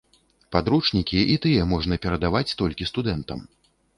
Падручнікі, і тыя можна перадаваць толькі студэнтам.